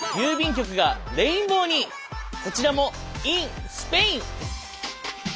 こちらもＩＮスペイン。